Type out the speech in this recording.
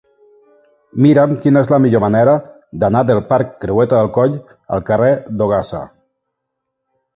Mira'm quina és la millor manera d'anar del parc Creueta del Coll al carrer d'Ogassa.